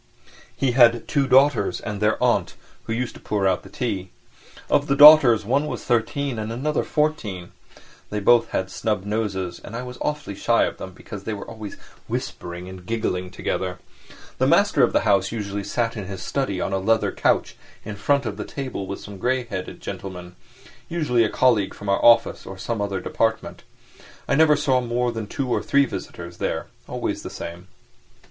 He had two daughters and their aunt, who used to pour out the tea. Of the daughters one was thirteen and another fourteen, they both had snub noses, and I was awfully shy of them because they were always whispering and giggling together. The master of the house usually sat in his study on a leather couch in front of the table with some grey headed gentleman, usually a colleague from our office or some other department. I never saw more than two or three visitors there, always the same.